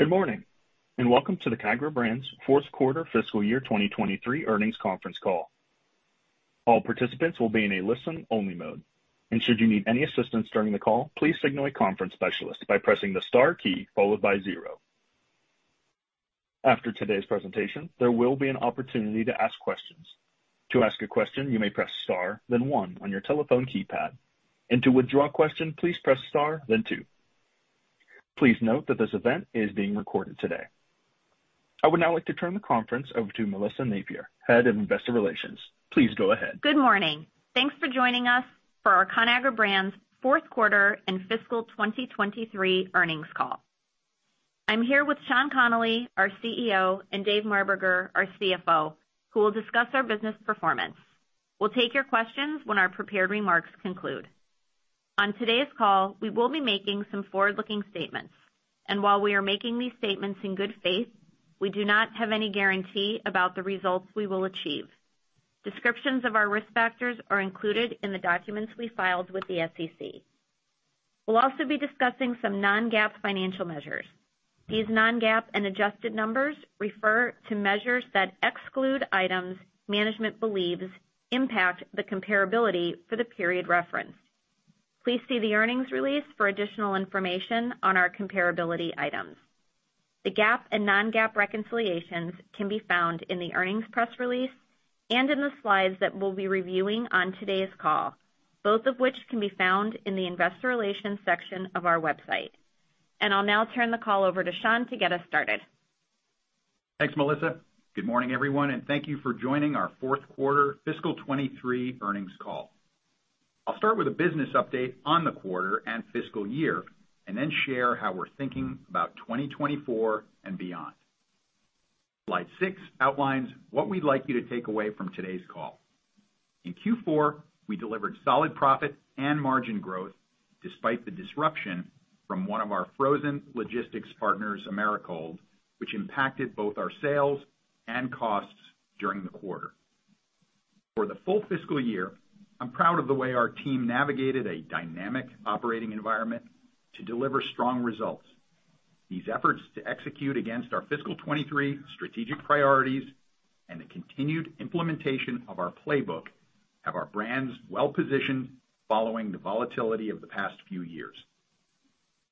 Good morning, welcome to the Conagra Brands fourth quarter fiscal year 2023 earnings conference call. All participants will be in a listen-only mode, and should you need any assistance during the call, please signal a conference specialist by pressing the star key followed by zero. After today's presentation, there will be an opportunity to ask questions. To ask a question, you may press star, then one on your telephone keypad, and to withdraw a question, please press star, then two. Please note that this event is being recorded today. I would now like to turn the conference over to Melissa Napier, Head of Investor Relations. Please go ahead. Good morning. Thanks for joining us for our Conagra Brands fourth quarter and fiscal 2023 earnings call. I'm here with Sean Connolly, our CEO, and Dave Marberger, our CFO, who will discuss our business performance. We'll take your questions when our prepared remarks conclude. On today's call, we will be making some forward-looking statements. While we are making these statements in good faith, we do not have any guarantee about the results we will achieve. Descriptions of our risk factors are included in the documents we filed with the SEC. We'll also be discussing some non-GAAP financial measures. These non-GAAP and adjusted numbers refer to measures that exclude items management believes impact the comparability for the period referenced. Please see the earnings release for additional information on our comparability items. The GAAP and non-GAAP reconciliations can be found in the earnings press release and in the slides that we'll be reviewing on today's call, both of which can be found in the Investor Relations section of our website. I'll now turn the call over to Sean to get us started. Thanks, Melissa. Good morning, everyone. Thank you for joining our fourth quarter fiscal 2023 earnings call. I'll start with a business update on the quarter and fiscal year and then share how we're thinking about 2024 and beyond. slide six outlines what we'd like you to take away from today's call. In Q4, we delivered solid profit and margin growth, despite the disruption from one of our frozen logistics partners, Americold, which impacted both our sales and costs during the quarter. For the full fiscal year, I'm proud of the way our team navigated a dynamic operating environment to deliver strong results. These efforts to execute against our fiscal 2023 strategic priorities and the continued implementation of our playbook, have our brands well-positioned following the volatility of the past few years.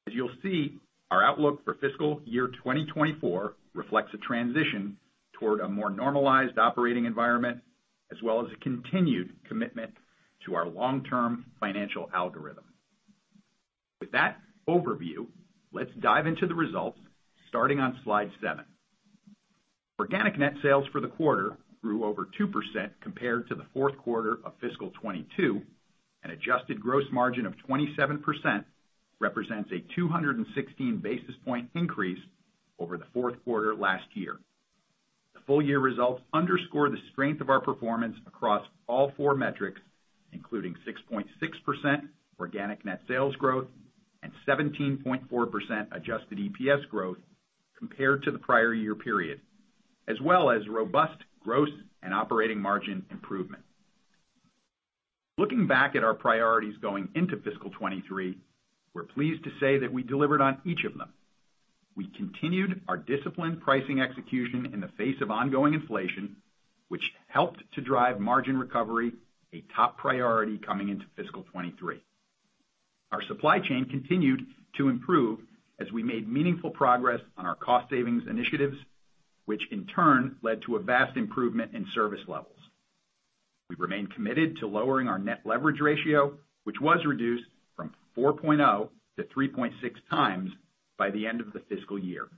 As you'll see, our outlook for fiscal year 2024 reflects a transition toward a more normalized operating environment, as well as a continued commitment to our long-term financial algorithm. That overview, let's dive into the results, starting on slide seven. Organic net sales for the quarter grew over 2% compared to the fourth quarter of fiscal 2022. Adjusted gross margin of 27% represents a 216 basis point increase over the fourth quarter last year. The full year results underscore the strength of our performance across all four metrics, including 6.6% organic net sales growth and 17.4% adjusted EPS growth compared to the prior year period, as well as robust gross and operating margin improvement. Looking back at our priorities going into fiscal 2023, we're pleased to say that we delivered on each of them. We continued our disciplined pricing execution in the face of ongoing inflation, which helped to drive margin recovery, a top priority coming into fiscal 2023. Our supply chain continued to improve as we made meaningful progress on our cost savings initiatives, which in turn led to a vast improvement in service levels. We remain committed to lowering our net leverage ratio, which was reduced from 4.0x to 3.6x by the end of the fiscal year.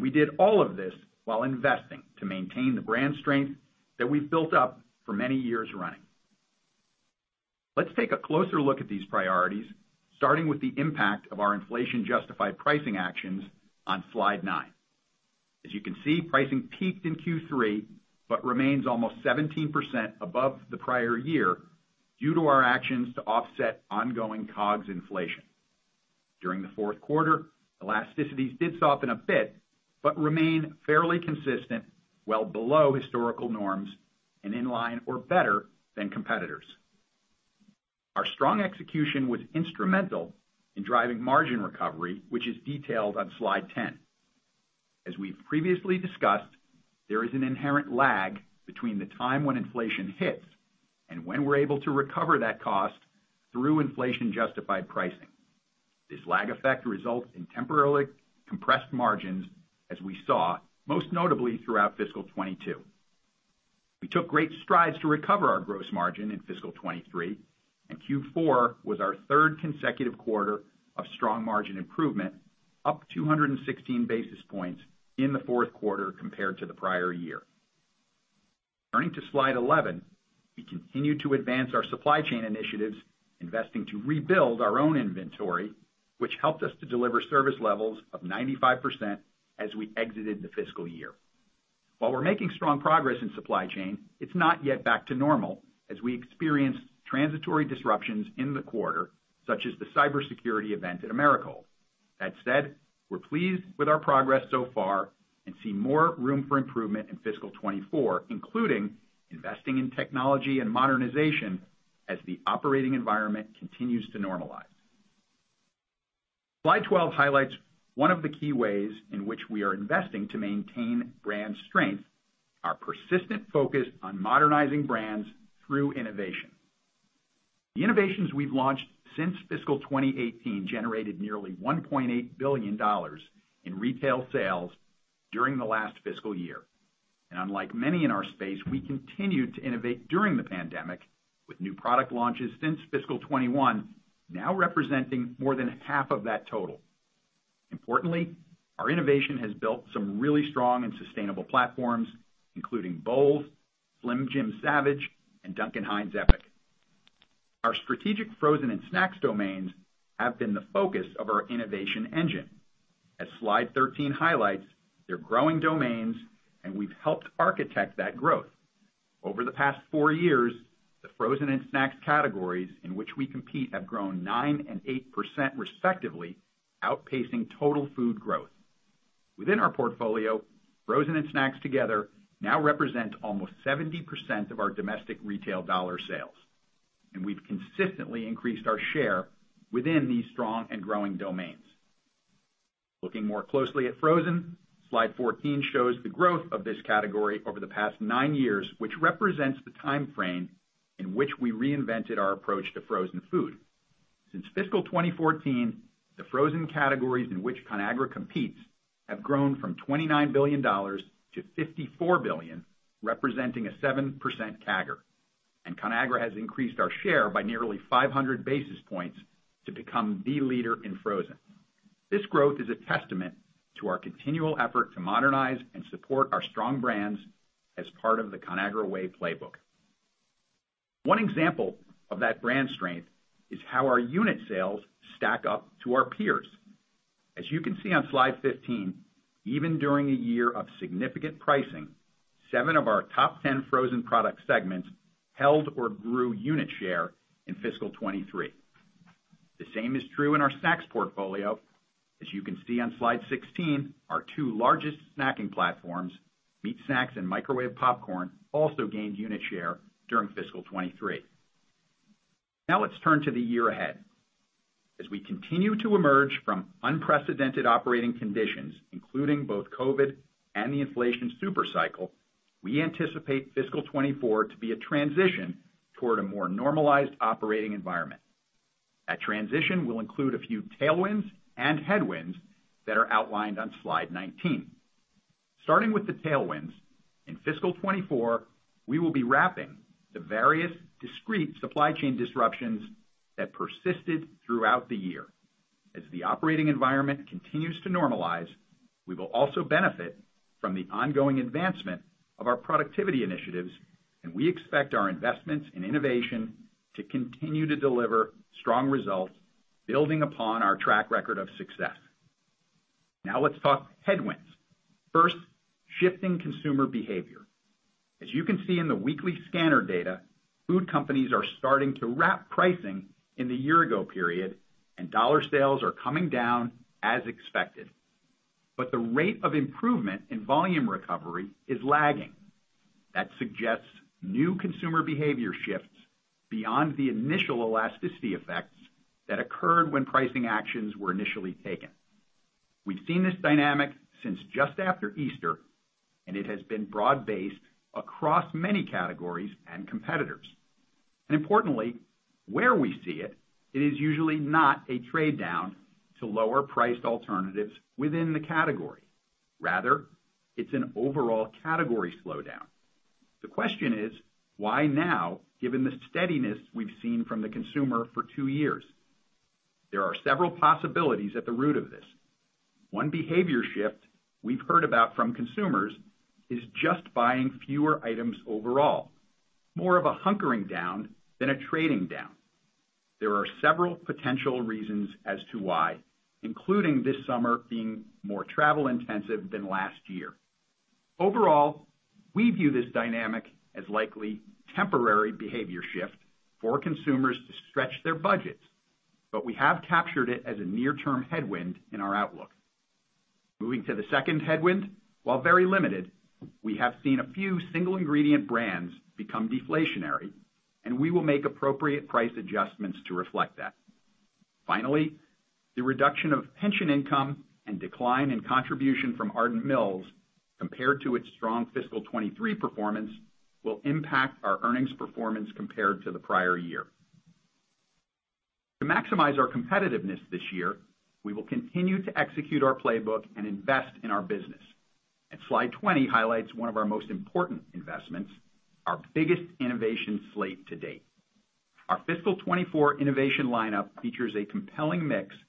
We did all of this while investing to maintain the brand strength that we've built up for many years running. Let's take a closer look at these priorities, starting with the impact of our inflation-justified pricing actions on slide nine. As you can see, pricing peaked in Q3, but remains almost 17% above the prior year due to our actions to offset ongoing COGS inflation. During the fourth quarter, elasticities did soften a bit, but remain fairly consistent, well below historical norms and in line or better than competitors. Our strong execution was instrumental in driving margin recovery, which is detailed on slide 10. As we've previously discussed, there is an inherent lag between the time when inflation hits and when we're able to recover that cost through inflation-justified pricing. This lag effect results in temporarily compressed margins, as we saw, most notably throughout fiscal 2022. We took great strides to recover our gross margin in fiscal 2023. Q4 was our third consecutive quarter of strong margin improvement, up 216 basis points in the fourth quarter compared to the prior year. Turning to slide 11, we continued to advance our supply chain initiatives, investing to rebuild our own inventory, which helped us to deliver service levels of 95% as we exited the fiscal year. While we're making strong progress in supply chain, it's not yet back to normal, as we experienced transitory disruptions in the quarter, such as the cybersecurity event at Americold. That said, we're pleased with our progress so far and see more room for improvement in fiscal 2024, including investing in technology and modernization as the operating environment continues to normalize. Slide 12 highlights one of the keyways in which we are investing to maintain brand strength, our persistent focus on modernizing brands through innovation. The innovations we've launched since fiscal 2018, generated nearly $1.8 billion in retail sales during the last fiscal year. Unlike many in our space, we continued to innovate during the pandemic, with new product launches since fiscal 2021, now representing more than half of that total. Importantly, our innovation has built some really strong and sustainable platforms, including Bold, Slim Jim Savage, and Duncan Hines EPIC. Our strategic frozen and snacks domains have been the focus of our innovation engine. As slide 13 highlights, they're growing domains, and we've helped architect that growth. Over the past four years, the frozen and snacks categories in which we compete have grown 9% and 8%, respectively, outpacing total food growth. Within our portfolio, frozen and snacks together now represent almost 70% of our domestic retail dollar sales, and we've consistently increased our share within these strong and growing domains. Looking more closely at frozen, slide 14 shows the growth of this category over the past nine years, which represents the time frame in which we reinvented our approach to frozen food. Since fiscal 2014, the frozen categories in which Conagra competes have grown from $29 billion to $54 billion, representing a 7% CAGR, and Conagra has increased our share by nearly 500 basis points to become the leader in frozen. This growth is a testament to our continual effort to modernize and support our strong brands as part of the Conagra Way playbook. One example of that brand strength is how our unit sales stack up to our peers. As you can see on slide 15, even during a year of significant pricing, seven of our top 10 frozen product segments held or grew unit share in fiscal 2023. The same is true in our snacks portfolio. As you can see on slide 16, our two largest snacking platforms, meat snacks and microwave popcorn, also gained unit share during fiscal 2023. Let's turn to the year ahead. As we continue to emerge from unprecedented operating conditions, including both COVID and the inflation super cycle, we anticipate fiscal 2024 to be a transition toward a more normalized operating environment. That transition will include a few tailwinds and headwinds that are outlined on slide 19. Starting with the tailwinds, in fiscal 2024, we will be wrapping the various discrete supply chain disruptions that persisted throughout the year. As the operating environment continues to normalize, we will also benefit from the ongoing advancement of our productivity initiatives, and we expect our investments in innovation to continue to deliver strong results, building upon our track record of success. Let's talk headwinds. First, shifting consumer behavior. As you can see in the weekly scanner data, food companies are starting to wrap pricing in the year ago period. Dollar sales are coming down as expected. The rate of improvement in volume recovery is lagging. That suggests new consumer behavior shifts beyond the initial elasticity effects that occurred when pricing actions were initially taken. We've seen this dynamic since just after Easter. It has been broad-based across many categories and competitors. Importantly, where we see it is usually not a trade down to lower priced alternatives within the category. Rather, it's an overall category slowdown. The question is, why now, given the steadiness we've seen from the consumer for two years? There are several possibilities at the root of this. One behavior shift we've heard about from consumers is just buying fewer items overall, more of a hunkering down than a trading down. There are several potential reasons as to why, including this summer being more travel intensive than last year. Overall, we view this dynamic as likely temporary behavior shift for consumers to stretch their budgets, but we have captured it as a near-term headwind in our outlook. Moving to the second headwind, while very limited, we have seen a few single-ingredient brands become deflationary, and we will make appropriate price adjustments to reflect that. Finally, the reduction of pension income and decline in contribution from Ardent Mills, compared to its strong fiscal 2023 performance, will impact our earnings performance compared to the prior year. To maximize our competitiveness this year, we will continue to execute our playbook and invest in our business. Slide 20 highlights one of our most important investments, our biggest innovation slate to date. Our fiscal 2024 innovation lineup features a compelling mix of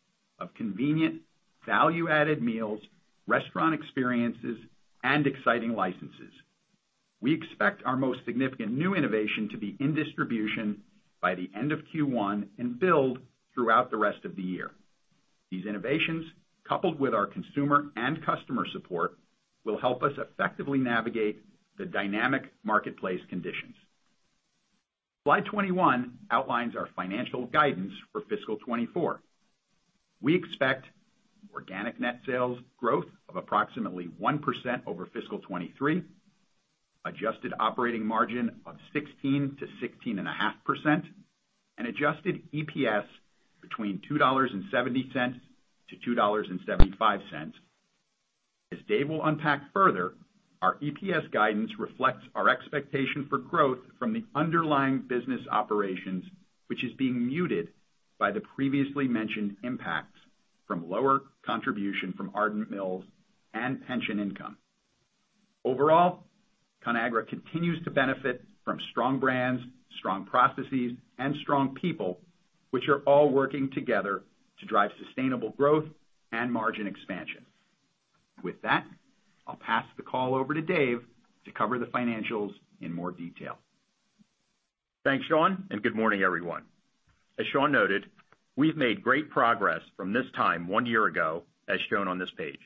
convenient, value-added meals, restaurant experiences, and exciting licenses. We expect our most significant new innovation to be in distribution by the end of Q1 and build throughout the rest of the year. These innovations, coupled with our consumer and customer support, will help us effectively navigate the dynamic marketplace conditions. Slide 21 outlines our financial guidance for fiscal 2024. We expect organic net sales growth of approximately 1% over fiscal 2023, adjusted operating margin of 16%-16.5%, and adjusted EPS between $2.70-$2.75. As Dave will unpack further, our EPS guidance reflects our expectation for growth from the underlying business operations, which is being muted by the previously mentioned impacts from lower contribution from Ardent Mills and pension income. Overall, Conagra continues to benefit from strong brands, strong processes, and strong people, which are all working together to drive sustainable growth and margin expansion. With that, I'll pass the call over to Dave to cover the financials in more detail. Thanks, Sean. Good morning, everyone. As Sean noted, we've made great progress from this time one year ago, as shown on this page.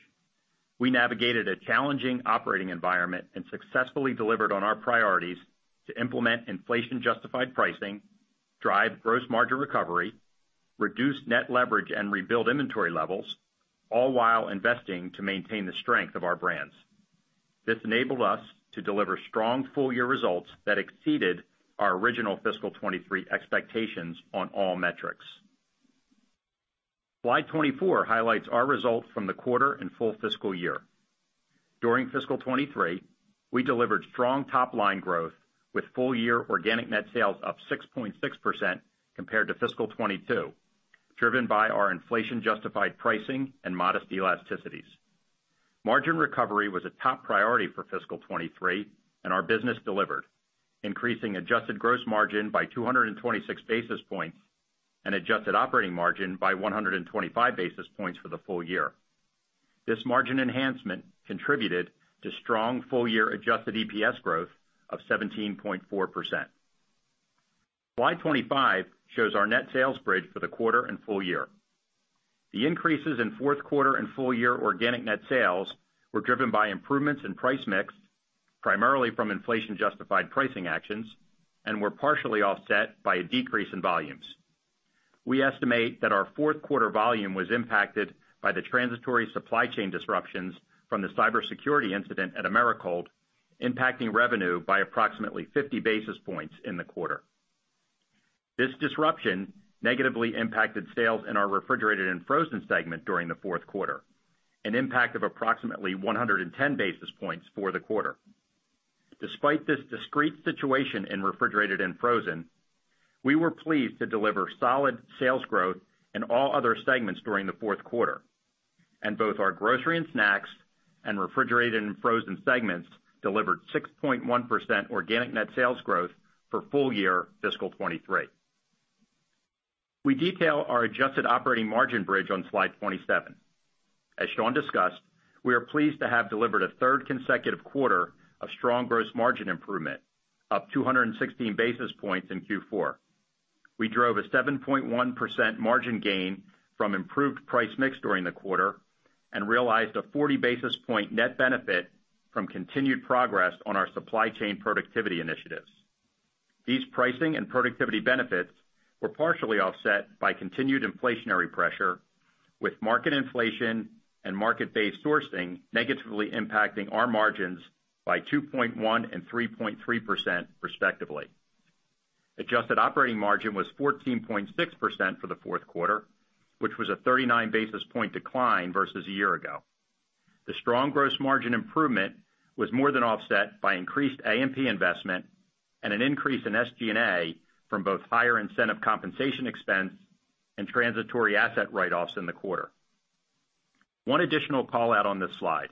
We navigated a challenging operating environment and successfully delivered on our priorities to implement inflation-justified pricing, drive gross margin recovery, reduce net leverage, and rebuild inventory levels, all while investing to maintain the strength of our brands. This enabled us to deliver strong full-year results that exceeded our original fiscal 2023 expectations on all metrics. Slide 24 highlights our results from the quarter and full fiscal year. During fiscal 2023, we delivered strong top-line growth, with full-year organic net sales up 6.6% compared to fiscal 2022, driven by our inflation-justified pricing and modest elasticities. Margin recovery was a top priority for fiscal 2023, and our business delivered, increasing adjusted gross margin by 226 basis points and adjusted operating margin by 125 basis points for the full year. This margin enhancement contributed to strong full-year adjusted EPS growth of 17.4%. Slide 25 shows our net sales bridge for the quarter and full year. The increases in fourth quarter and full year organic net sales were driven by improvements in price mix, primarily from inflation-justified pricing actions, and were partially offset by a decrease in volumes. We estimate that our fourth quarter volume was impacted by the transitory supply chain disruptions from the cybersecurity incident at Americold, impacting revenue by approximately 50 basis points in the quarter. This disruption negatively impacted sales in our refrigerated and frozen segment during the fourth quarter, an impact of approximately 110 basis points for the quarter. Despite this discrete situation in refrigerated and frozen, we were pleased to deliver solid sales growth in all other segments during the fourth quarter. Both our grocery and snacks and refrigerated and frozen segments delivered 6.1% organic net sales growth for full year fiscal 2023. We detail our adjusted operating margin bridge on slide 27. As Sean discussed, we are pleased to have delivered a third consecutive quarter of strong gross margin improvement, up 216 basis points in Q4. We drove a 7.1% margin gain from improved price mix during the quarter and realized a 40 basis point net benefit from continued progress on our supply chain productivity initiatives. These pricing and productivity benefits were partially offset by continued inflationary pressure, with market inflation and market-based sourcing negatively impacting our margins by 2.1% and 3.3% respectively. Adjusted operating margin was 14.6% for the fourth quarter, which was a 39-basis point decline versus a year ago. The strong gross margin improvement was more than offset by increased A&P investment and an increase in SG&A from both higher incentive compensation expense and transitory asset write-offs in the quarter. One additional call-out on this slide: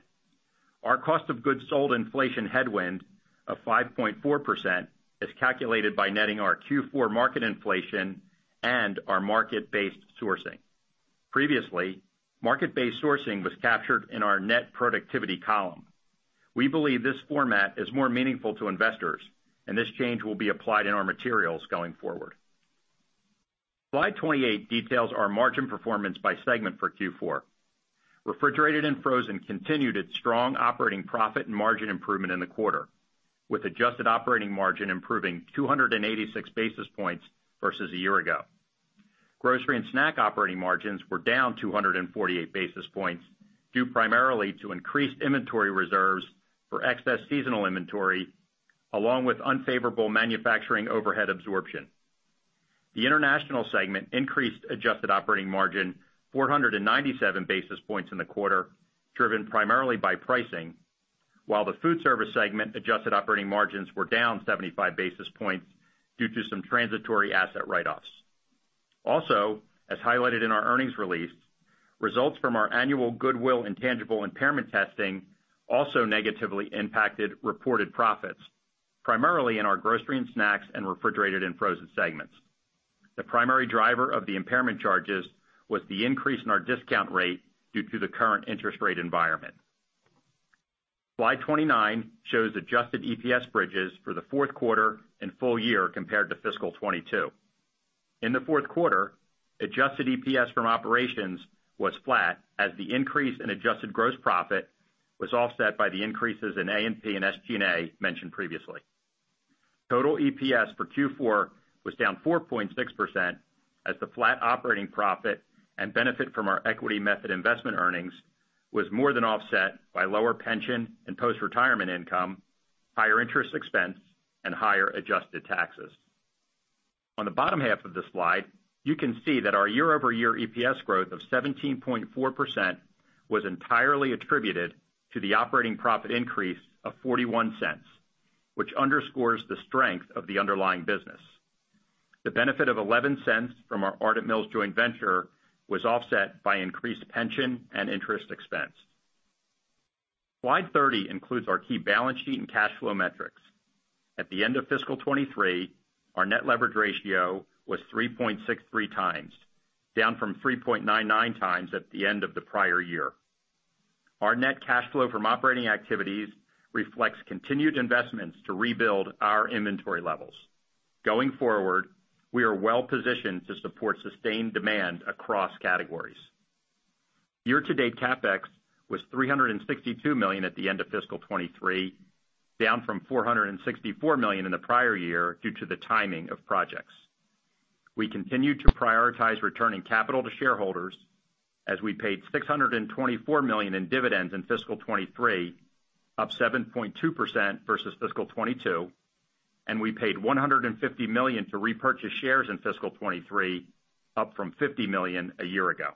our cost of goods sold inflation headwind of 5.4% is calculated by netting our Q4 market inflation and our market-based sourcing. Previously, market-based sourcing was captured in our net productivity column. We believe this format is more meaningful to investors, and this change will be applied in our materials going forward. Slide 28 details our margin performance by segment for Q4. Refrigerated and frozen continued its strong operating profit and margin improvement in the quarter, with adjusted operating margin improving 286 basis points versus a year ago. Grocery and snack operating margins were down 248 basis points, due primarily to increased inventory reserves for excess seasonal inventory, along with unfavorable manufacturing overhead absorption. The international segment increased adjusted operating margin 497 basis points in the quarter, driven primarily by pricing, while the food service segment adjusted operating margins were down 75 basis points due to some transitory asset write-offs. As highlighted in our earnings release, results from our annual goodwill and tangible impairment testing also negatively impacted reported profits, primarily in our grocery and snacks and refrigerated and frozen segments. The primary driver of the impairment charges was the increase in our discount rate due to the current interest rate environment. Slide 29 shows adjusted EPS bridges for the fourth quarter and full year compared to fiscal 2022. In the fourth quarter, adjusted EPS from operations was flat, as the increase in adjusted gross profit was offset by the increases in A&P and SG&A mentioned previously. Total EPS for Q4 was down 4.6%, as the flat operating profit and benefit from our equity method investment earnings was more than offset by lower pension and post-retirement income, higher interest expense, and higher adjusted taxes. On the bottom half of the slide, you can see that our year-over-year EPS growth of 17.4% was entirely attributed to the operating profit increase of $0.41, which underscores the strength of the underlying business. The benefit of $0.11 from our Ardent Mills joint venture was offset by increased pension and interest expense. Slide 30 includes our key balance sheet and cash flow metrics. At the end of fiscal 2023, our net leverage ratio was 3.63x, down from 3.99x at the end of the prior year. Our net cash flow from operating activities reflects continued investments to rebuild our inventory levels. Going forward, we are well positioned to support sustained demand across categories. Year-to-date CapEx was $362 million at the end of fiscal 2023, down from $464 million in the prior year due to the timing of projects. We continued to prioritize returning capital to shareholders as we paid $624 million in dividends in fiscal 2023, up 7.2% versus fiscal 2022. We paid $150 million to repurchase shares in fiscal 2023, up from $50 million a year ago.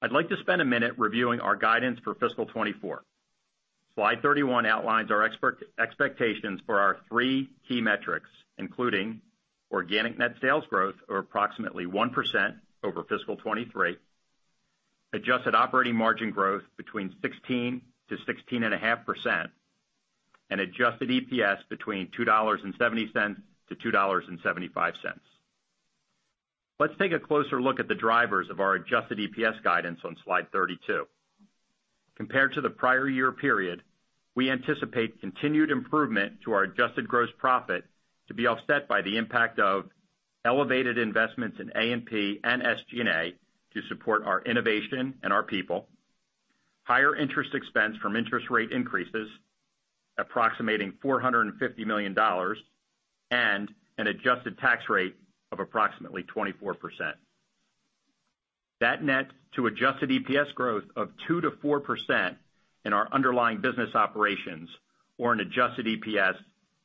I'd like to spend a minute reviewing our guidance for fiscal 2024. Slide 31 outlines our expectations for our three key metrics, including organic net sales growth of approximately 1% over fiscal 2023, adjusted operating margin growth between 16%-16.5%, and adjusted EPS between $2.70-$2.75. Let's take a closer look at the drivers of our adjusted EPS guidance on slide 32. Compared to the prior year period, we anticipate continued improvement to our adjusted gross profit to be offset by the impact of elevated investments in A&P and SG&A to support our innovation and our people, higher interest expense from interest rate increases, approximating $450 million, and an adjusted tax rate of approximately 24%. Nets to adjusted EPS growth of 2%-4% in our underlying business operations or an adjusted EPS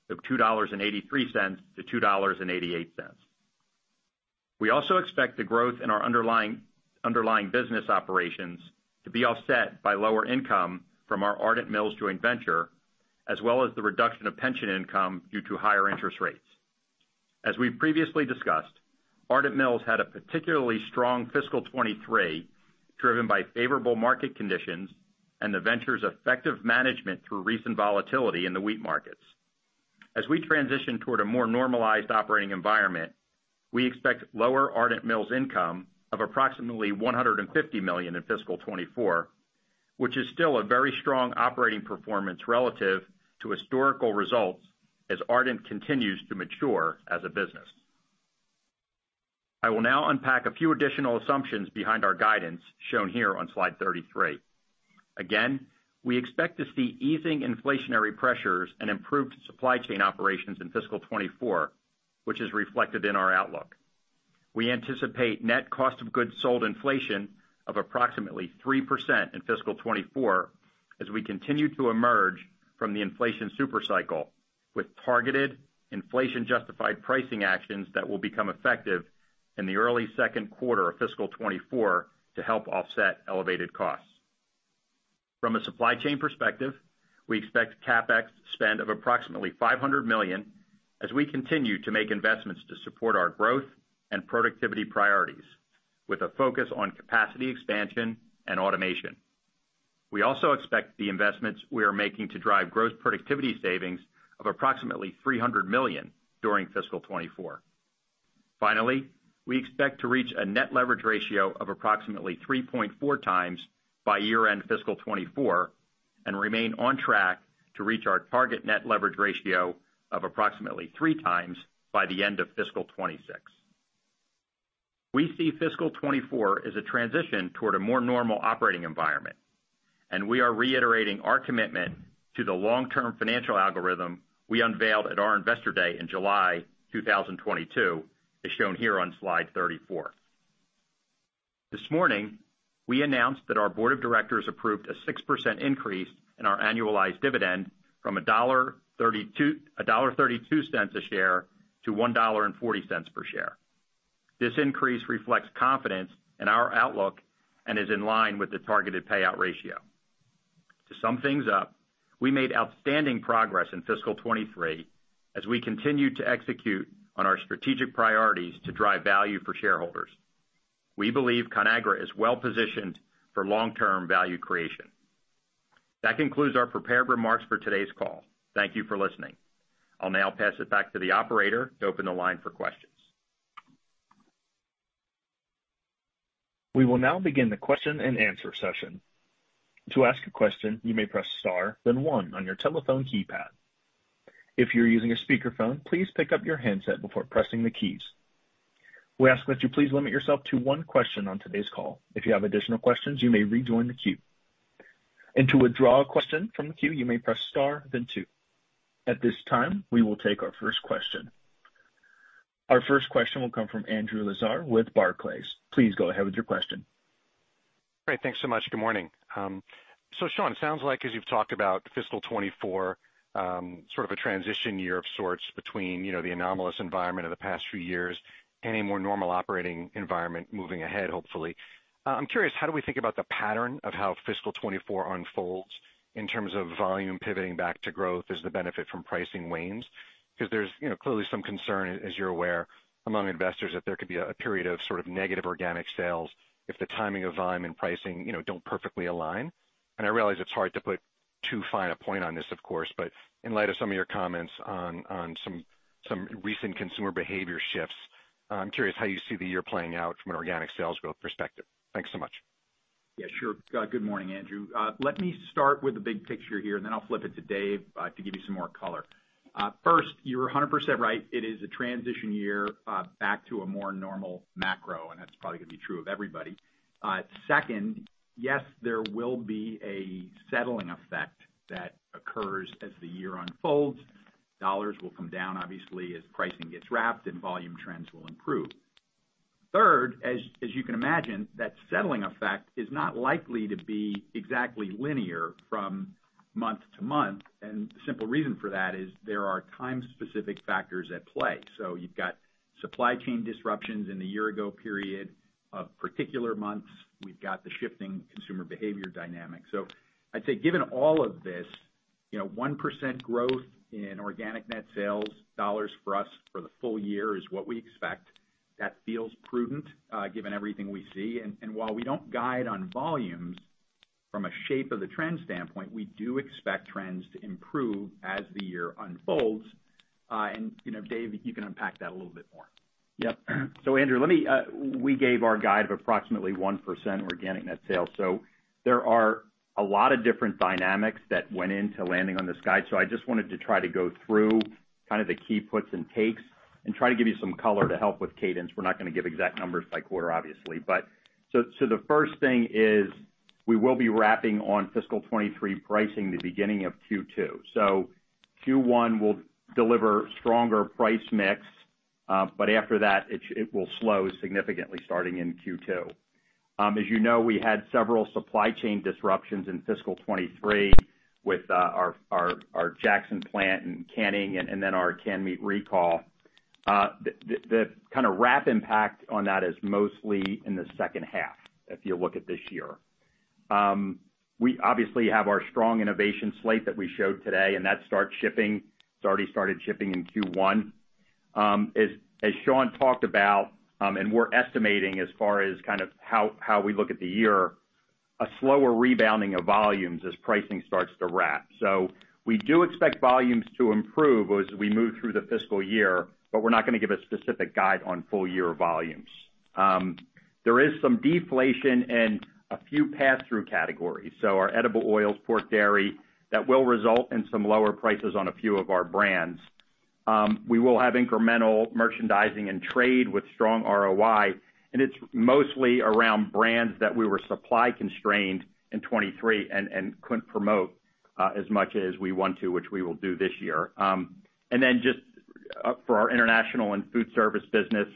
of $2.83-$2.88. We also expect the growth in our underlying business operations to be offset by lower income from our Ardent Mills joint venture, as well as the reduction of pension income due to higher interest rates. As we previously discussed, Ardent Mills had a particularly strong fiscal 2023, driven by favorable market conditions and the venture's effective management through recent volatility in the wheat markets. As we transition toward a more normalized operating environment, we expect lower Ardent Mills income of approximately $150 million in fiscal 2024, which is still a very strong operating performance relative to historical results as Ardent continues to mature as a business. I will now unpack a few additional assumptions behind our guidance, shown here on slide 33. We expect to see easing inflationary pressures and improved supply chain operations in fiscal 2024, which is reflected in our outlook. We anticipate net cost of goods sold inflation of approximately 3% in fiscal 2024, as we continue to emerge from the inflation super cycle, with targeted inflation-justified pricing actions that will become effective in the early second quarter of fiscal 2024 to help offset elevated costs. From a supply chain perspective, we expect CapEx spend of approximately $500 million as we continue to make investments to support our growth and productivity priorities, with a focus on capacity expansion and automation. We also expect the investments we are making to drive gross productivity savings of approximately $300 million during fiscal 2024. We expect to reach a net leverage ratio of approximately 3.4x by year-end fiscal 2024 and remain on track to reach our target net leverage ratio of approximately 3x by the end of fiscal 2026. We see fiscal 2024 as a transition toward a more normal operating environment, and we are reiterating our commitment to the long-term financial algorithm we unveiled at our Investor Day in July 2022, as shown here on slide 34. This morning, we announced that our board of directors approved a 6% increase in our annualized dividend from $1.32 a share to $1.40 per share. This increase reflects confidence in our outlook and is in line with the targeted payout ratio. To sum things up, we made outstanding progress in fiscal 2023 as we continued to execute on our strategic priorities to drive value for shareholders. We believe Conagra is well positioned for long-term value creation. That concludes our prepared remarks for today's call. Thank you for listening. I'll now pass it back to the operator to open the line for questions. We will now begin the question-and-answer session. To ask a question, you may press star, then one on your telephone keypad. If you're using a speakerphone, please pick up your handset before pressing the keys. We ask that you please limit yourself to one question on today's call. If you have additional questions, you may rejoin the queue. To withdraw a question from the queue, you may press star then two. At this time, we will take our first question. Our first question will come from Andrew Lazar with Barclays. Please go ahead with your question. Great, thanks so much. Good morning. Sean, it sounds like as you've talked about fiscal 2024, sort of a transition year of sorts between, you know, the anomalous environment of the past few years and a more normal operating environment moving ahead, hopefully. I'm curious, how do we think about the pattern of how fiscal 2024 unfolds in terms of volume pivoting back to growth as the benefit from pricing wanes? There's, you know, clearly some concern, as you're aware, among investors, that there could be a period of sort of negative organic sales if the timing of volume and pricing, you know, don't perfectly align. I realize it's hard to put too fine a point on this, of course, but in light of some of your comments on some recent consumer behavior shifts, I'm curious how you see the year playing out from an organic sales growth perspective. Thanks so much. Sure. Good morning, Andrew. Let me start with the big picture here, then I'll flip it to Dave to give you some more color. First, you're 100% right, it is a transition year back to a more normal macro. That's probably gonna be true of everybody. Second, yes, there will be a settling effect that occurs as the year unfolds. Dollars will come down, obviously, as pricing gets wrapped. Volume trends will improve. Third, as you can imagine, that settling effect is not likely to be exactly linear from month to month. The simple reason for that is there are time-specific factors at play. You've got supply chain disruptions in the year ago period of particular months. We've got the shifting consumer behavior dynamic. I'd say given all of this, you know, 1% growth in organic net sales dollars for us for the full year is what we expect. That feels prudent, given everything we see. While we don't guide on volumes from a shape of the trend standpoint, we do expect trends to improve as the year unfolds. You know, Dave, you can unpack that a little bit more. Yep. Andrew, we gave our guide of approximately 1% organic net sales. There are a lot of different dynamics that went into landing on this guide. I just wanted to try to go through kind of the key puts and takes and try to give you some color to help with cadence. We're not gonna give exact numbers by quarter, obviously. The first thing is, we will be wrapping on fiscal 2023 pricing the beginning of Q2. Q1 will deliver stronger price mix, but after that, it will slow significantly starting in Q2. As you know, we had several supply chain disruptions in fiscal 2023 with our Jackson plant and canning and then our canned meat recall. The kind of wrap impact on that is mostly in the second half, if you look at this year. We obviously have our strong innovation slate that we showed today, and that starts shipping. It's already started shipping in Q1. As Sean talked about, and we're estimating as far as kind of how we look at the year, a slower rebounding of volumes as pricing starts to wrap. We do expect volumes to improve as we move through the fiscal year, but we're not gonna give a specific guide on full year volumes. There is some deflation in a few pass-through categories, so our edible oils, pork, dairy, that will result in some lower prices on a few of our brands. We will have incremental merchandising and trade with strong ROI, and it's mostly around brands that we were supply constrained in 2023 and couldn't promote as much as we want to, which we will do this year. Just for our international and food service business,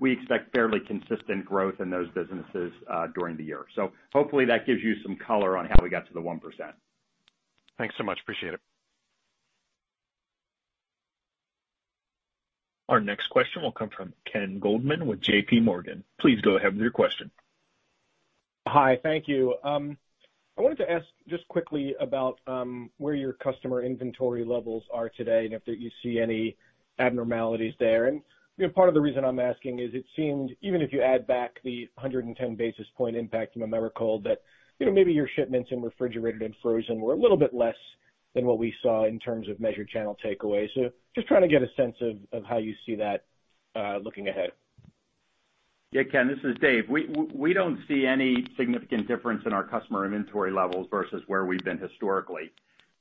we expect fairly consistent growth in those businesses during the year. Hopefully that gives you some color on how we got to the 1%. Thanks so much. Appreciate it. Our next question will come from Ken Goldman with JPMorgan. Please go ahead with your question. Hi, thank you. I wanted to ask just quickly about, where your customer inventory levels are today and if you see any abnormalities there. You know, part of the reason I'm asking is it seemed, even if you add back the 110 basis point impact from Americold, that, you know, maybe your shipments in refrigerated and frozen were a little bit less than what we saw in terms of measured channel takeaway. Just trying to get a sense of how you see that, looking ahead. Yeah, Ken, this is Dave. We don't see any significant difference in our customer inventory levels versus where we've been historically.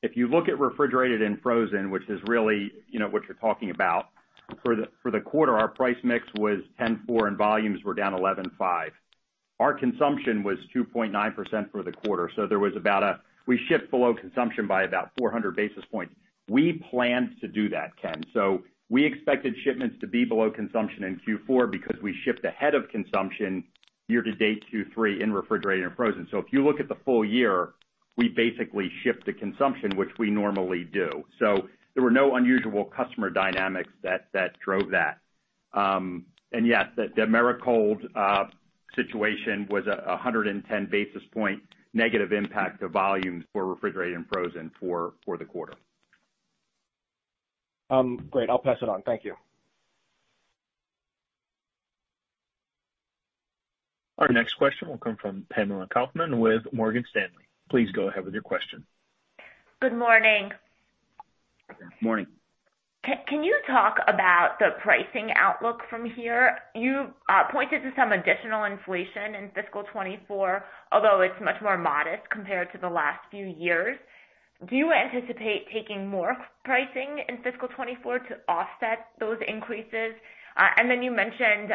If you look at refrigerated and frozen, which is really, you know, what you're talking about, for the, for the quarter, our price mix was 10.4%, and volumes were down 11.5%. Our consumption was 2.9% for the quarter, so there was about we shipped below consumption by about 400 basis points. We planned to do that, Ken. We expected shipments to be below consumption in Q4 because we shipped ahead of consumption year to date Q3 in refrigerated and frozen. If you look at the full year, we basically shipped to consumption, which we normally do. There were no unusual customer dynamics that drove that. Yes, the Americold situation was 110 basis point negative impact to volumes for refrigerated and frozen for the quarter. Great. I'll pass it on. Thank you. Our next question will come from Pamela Kaufman with Morgan Stanley. Please go ahead with your question. Good morning. Morning. Can you talk about the pricing outlook from here? You pointed to some additional inflation in fiscal 2024, although it's much more modest compared to the last few years. Do you anticipate taking more pricing in fiscal 2024 to offset those increases? Then you mentioned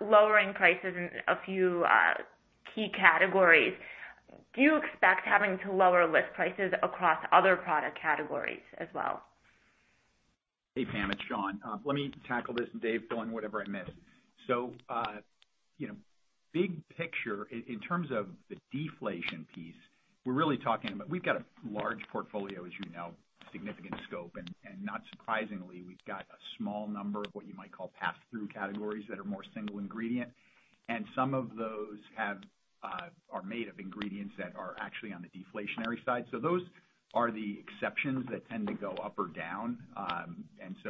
lowering prices in a few key categories. Do you expect having to lower list prices across other product categories as well? Hey, Pam, it's Sean. Let me tackle this, Dave, fill in whatever I miss. You know, big picture, in terms of the deflation piece, we're really talking about. We've got a large portfolio, as you know, significant scope, and not surprisingly, we've got a small number of what you might call pass-through categories that are more single ingredient. Some of those have, are made of ingredients that are actually on the deflationary side. Those are the exceptions that tend to go up or down.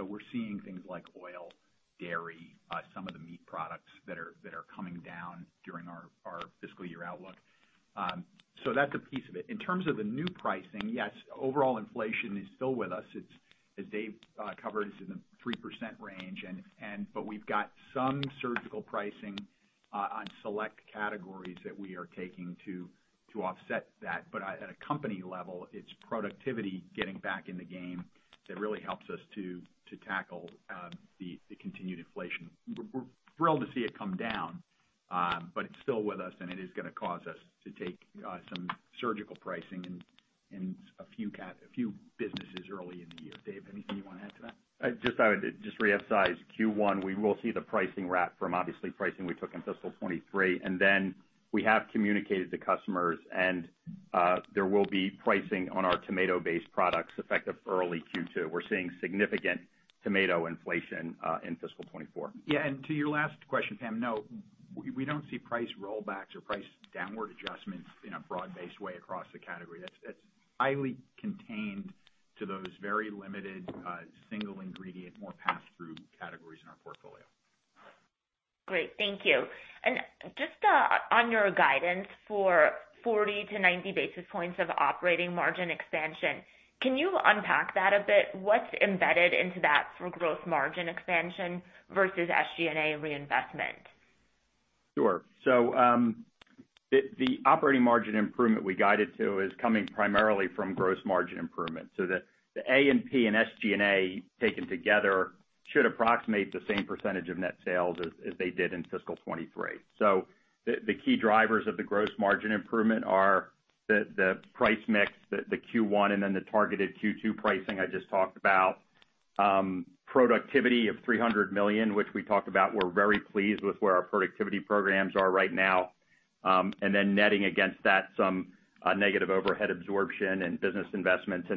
We're seeing things like oil, dairy, some of the meat products that are coming down during our fiscal year outlook. That's a piece of it. In terms of the new pricing, yes, overall inflation is still with us. It's, as Dave covered, it's in the 3% range, but we've got some surgical pricing on select categories that we are taking to offset that. At a company level, it's productivity getting back in the game that really helps us to tackle the continued inflation. We're thrilled to see it come down, but it's still with us, and it is gonna cause us to take some surgical pricing in a few businesses early in the year. Dave, anything you wanna add to that? I would just reemphasize Q1, we will see the pricing wrap from obviously pricing we took in fiscal 2023. Then we have communicated to customers, and, there will be pricing on our tomato-based products effective early Q2. We're seeing significant tomato inflation, in fiscal 2024. Yeah, to your last question, Pam, no, we don't see price rollbacks or price downward adjustments in a broad-based way across the category. That's highly contained to those very limited, single ingredient, more pass-through categories in our portfolio. Great, thank you. Just on your guidance for 40-90 basis points of operating margin expansion, can you unpack that a bit? What's embedded into that from growth margin expansion versus SG&A reinvestment? Sure. The operating margin improvement we guided to is coming primarily from gross margin improvement. The A&P and SG&A, taken together, should approximate the same percentage of net sales as they did in fiscal 2023. The key drivers of the gross margin improvement are the price mix, the Q1, and then the targeted Q2 pricing I just talked about. Productivity of $300 million, which we talked about, we're very pleased with where our productivity programs are right now. Netting against that, some negative overhead absorption and business investments.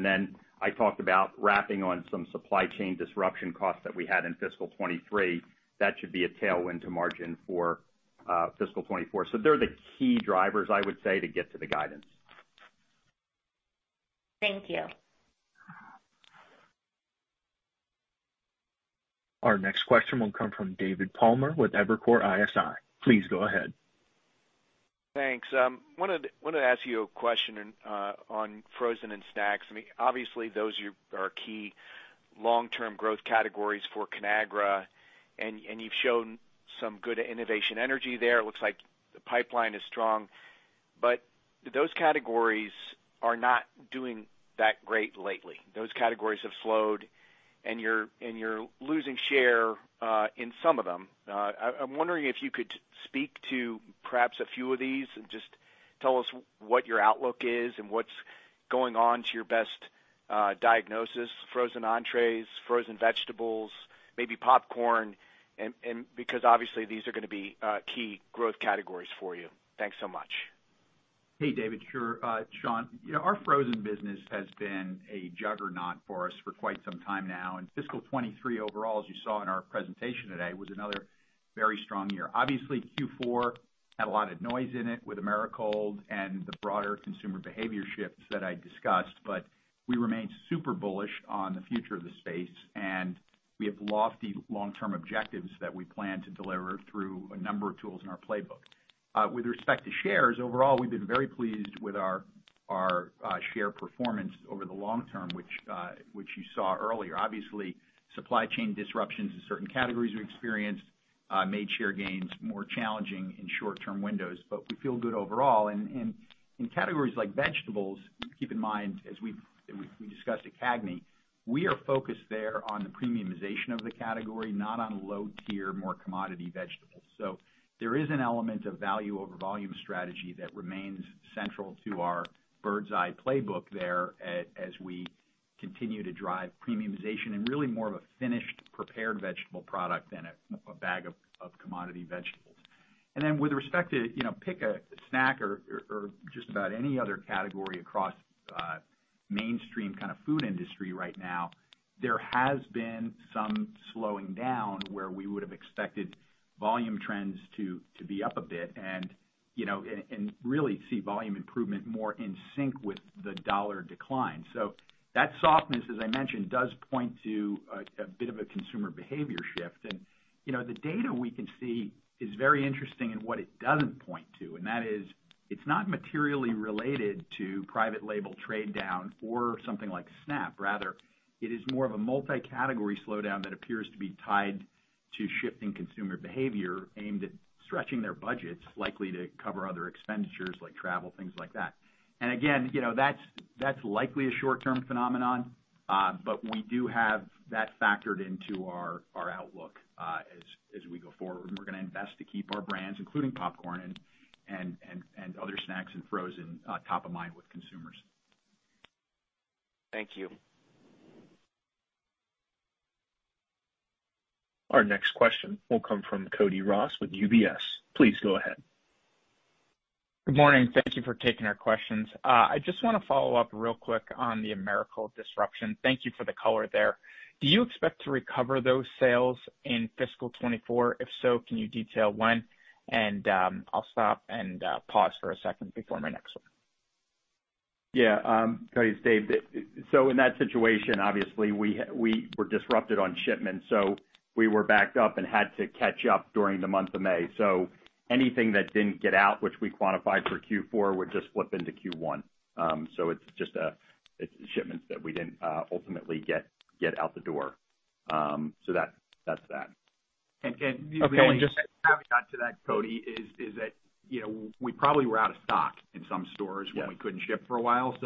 I talked about wrapping on some supply chain disruption costs that we had in fiscal 2023. That should be a tailwind to margin for fiscal 2024. They're the key drivers, I would say, to get to the guidance. Thank you. Our next question will come from David Palmer with Evercore ISI. Please go ahead. Thanks. wanted to ask you a question on frozen and snacks. I mean, obviously those are key long-term growth categories for Conagra, and you've shown some good innovation energy there. It looks like the pipeline is strong, but those categories are not doing that great lately. Those categories have slowed, and you're losing share in some of them. I'm wondering if you could speak to perhaps a few of these and just tell us what your outlook is and what's going on to your best diagnosis, frozen entrees, frozen vegetables, maybe popcorn, and because obviously these are gonna be key growth categories for you. Thanks so much. Hey, David. Sure, It's Sean, you know, our frozen business has been a juggernaut for us for quite some time now. Fiscal 2023 overall, as you saw in our presentation today, was another very strong year. Obviously, Q4 had a lot of noise in it with Americold and the broader consumer behavior shifts that I discussed. We remain super bullish on the future of the space, and we have lofty long-term objectives that we plan to deliver through a number of tools in our playbook. With respect to shares, overall, we've been very pleased with our share performance over the long term, which you saw earlier. Obviously, supply chain disruptions in certain categories we experienced made share gains more challenging in short-term windows. We feel good overall. In categories like vegetables, keep in mind, as we discussed at CAGNY, we are focused there on the premiumization of the category, not on low-tier, more commodity vegetables. There is an element of value over volume strategy that remains central to our Birds Eye playbook there, as we continue to drive premiumization and really more of a finished, prepared vegetable product than a bag of commodity vegetables. With respect to, you know, pick a snack or just about any other category across mainstream kind of food industry right now, there has been some slowing down where we would've expected volume trends to be up a bit and, you know, really see volume improvement more in sync with the dollar decline. That softness, as I mentioned, does point to a bit of a consumer behavior shift. You know, the data we can see is very interesting in what it doesn't point to, and that is, it's not materially related to private label trade down or something like SNAP. Rather, it is more of a multi-category slowdown that appears to be tied to shifting consumer behavior aimed at stretching their budgets, likely to cover other expenditures like travel, things like that. Again, you know, that's likely a short-term phenomenon, but we do have that factored into our outlook, as we go forward. We're gonna invest to keep our brands, including popcorn and other snacks and frozen, top of mind with consumers. Thank you. Our next question will come from Cody Ross with UBS. Please go ahead. Good morning. Thank you for taking our questions. I just wanna follow up real quick on the Americold disruption. Thank you for the color there. Do you expect to recover those sales in fiscal 2024? If so, can you detail when? I'll stop and pause for a second before my next one. Yeah, Cody, it's Dave. In that situation, obviously we were disrupted on shipments, so we were backed up and had to catch up during the month of May. Anything that didn't get out, which we quantified for Q4, would just flip into Q1. It's just, it's shipments that we didn't ultimately get out the door. That, that's that. Okay. Just to add to that, Cody, is that, you know, we probably were out of stock in some stores when we couldn't ship for a while.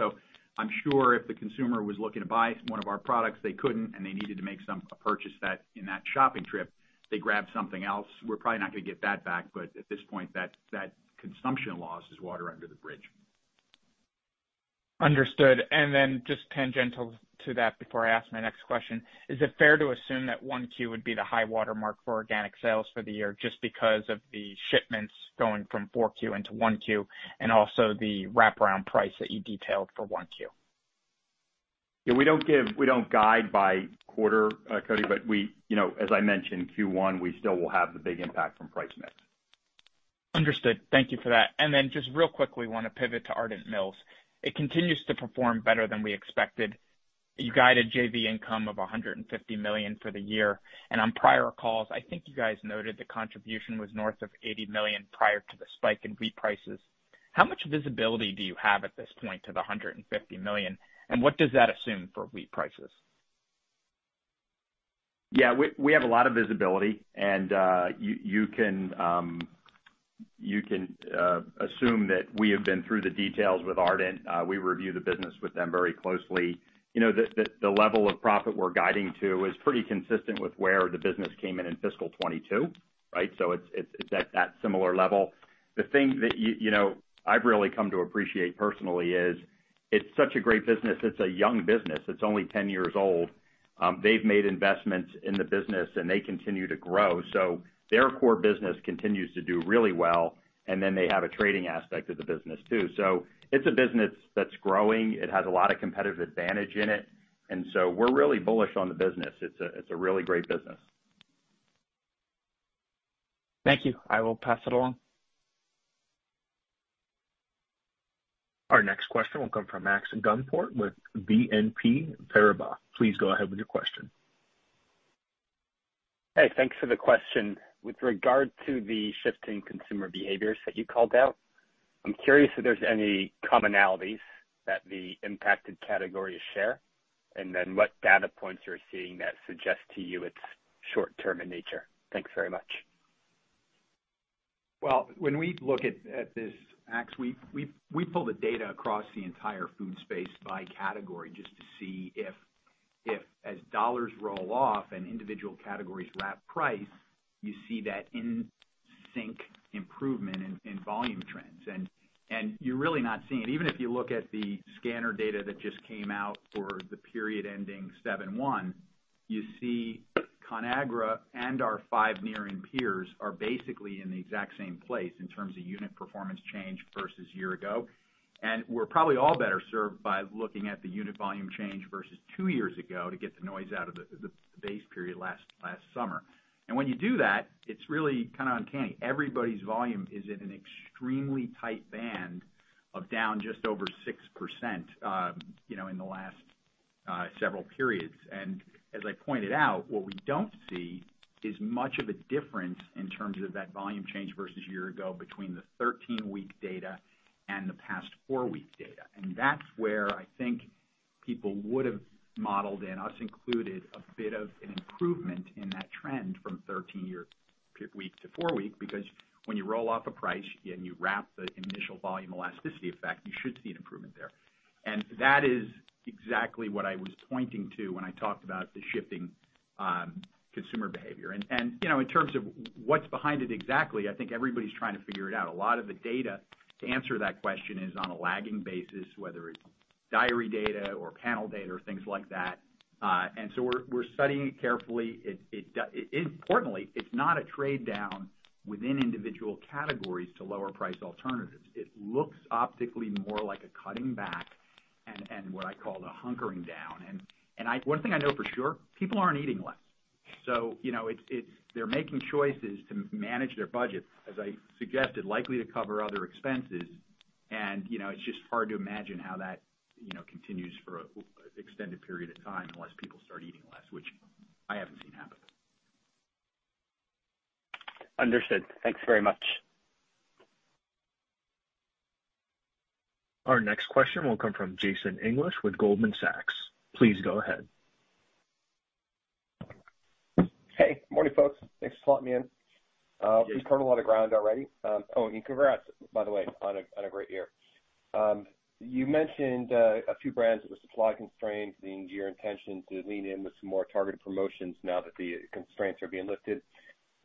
I'm sure if the consumer was looking to buy one of our products, they couldn't, and they needed to make a purchase that in that shopping trip, they grabbed something else. We're probably not gonna get that back, but at this point, that consumption loss is water under the bridge. Understood. Just tangential to that before I ask my next question, is it fair to assume that 1Q would be the high watermark for organic sales for the year, just because of the shipments going from 4Q into 1Q, and also the wraparound price that you detailed for 1Q? We don't guide by quarter, Cody. We, you know, as I mentioned, Q1, we still will have the big impact from price mix. Understood. Thank you for that. Just real quickly, wanna pivot to Ardent Mills. It continues to perform better than we expected. You guided JV income of $150 million for the year, and on prior calls, I think you guys noted the contribution was north of $80 million prior to the spike in wheat prices. How much visibility do you have at this point to the $150 million, and what does that assume for wheat prices? Yeah, we have a lot of visibility. You can, you can assume that we have been through the details with Ardent. We review the business with them very closely. You know, the level of profit we're guiding to is pretty consistent with where the business came in in fiscal 2022, right? It's at that similar level. The thing that you know, I've really come to appreciate personally is, it's such a great business. It's a young business. It's only 10 years old. They've made investments in the business. They continue to grow. Their core business continues to do really well. They have a trading aspect of the business, too. It's a business that's growing. It has a lot of competitive advantage in it. We're really bullish on the business.It's a really great business. Thank you. I will pass it along. Our next question will come from Max Gumport with BNP Paribas. Please go ahead with your question. Hey, thanks for the question. With regard to the shifting consumer behaviors that you called out, I'm curious if there's any commonalities that the impacted categories share, and then what data points you're seeing that suggest to you it's short term in nature? Thanks very much. Well, when we look at this, Max, we pull the data across the entire food space by category just to see if as dollars roll off and individual categories wrap price, you see that in-sync improvement in volume trends. You're really not seeing it. Even if you look at the scanner data that just came out for the period ending 7/1, you see Conagra and our five nearing peers are basically in the exact same place in terms of unit performance change versus year-ago. We're probably all better served by looking at the unit volume change versus two years ago to get the noise out of the base period last summer. When you do that, it's really kind of uncanny. Everybody's volume is in an extremely tight band of down just over 6%, you know, in the last several periods. As I pointed out, what we don't see is much of a difference in terms of that volume change versus year ago between the 13-week data and the past four-week data. That's where I think people would've modeled in, us included, a bit of an improvement in that trend from 13-week to four-week, because when you roll off a price and you wrap the initial volume elasticity effect, you should see an improvement there. That is exactly what I was pointing to when I talked about the shifting consumer behavior. You know, in terms of what's behind it exactly, I think everybody's trying to figure it out. A lot of the data to answer that question is on a lagging basis, whether it's diary data or panel data or things like that, so we're studying it carefully. Importantly, it's not a trade-down within individual categories to lower price alternatives. It looks optically more like a cutting back and what I call a hunkering down. One thing I know for sure, people aren't eating less. You know, it's... They're making choices to manage their budget, as I suggested, likely to cover other expenses, and, you know, it's just hard to imagine how that, you know, continues for a, an extended period of time unless people start eating less, which I haven't seen happen. Understood. Thanks very much. Our next question will come from Jason English with Goldman Sachs. Please go ahead. Hey, good morning, folks. Thanks for slotting me in. You've covered a lot of ground already. Oh, and congrats, by the way, on a great year. You mentioned a few brands with the supply constraints leading to your intention to lean in with some more targeted promotions now that the constraints are being lifted.